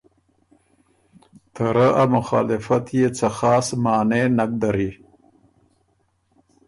ته رۀ ا مخالفت يې څه خاص معنے نک دری،